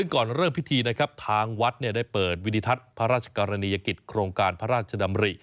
ก่อนเริ่มพิธีนะครับทางวัดได้เปิดวินิทัศน์พระราชกรณียกิจโครงการพระราชดำริ